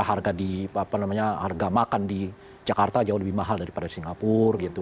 harga makan di jakarta jauh lebih mahal daripada di singapura gitu